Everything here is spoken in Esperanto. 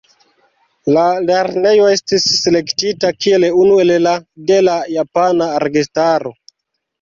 La lernejo estis selektita kiel unu el la de la japana registaro.